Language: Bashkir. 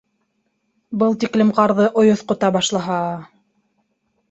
Был тиклем ҡарҙы ойоҫҡота башлаһа...